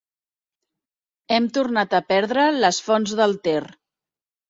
Hem tornat a perdre les fonts del Ter.